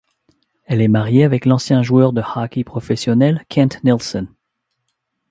Elle est mariée avec l'ancien joueur de hockey professionnel Kent Nilsson.